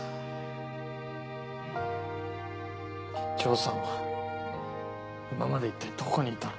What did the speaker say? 丈さんは今まで一体どこにいたの？